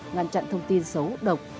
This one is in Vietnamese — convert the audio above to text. ngăn chặn thông tin xấu độc